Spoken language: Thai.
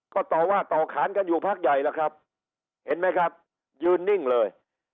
ก็ต่อว่าต่อขานกันอยู่พักใหญ่แล้วครับเห็นไหมครับยืนนิ่งเลย